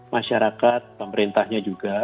masyarakat pemerintahnya juga